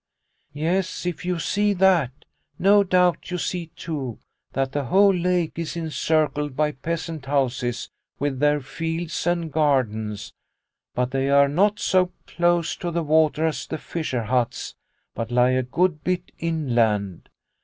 " Yes, if you see that, no doubt you see, too, that the whole lake is encircled by peasant houses with their fields and gardens, but they are not so close to the water as the fisher huts, but lie a good bit inland.